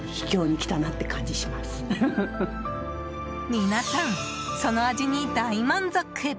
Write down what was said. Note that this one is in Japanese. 皆さん、その味に大満足！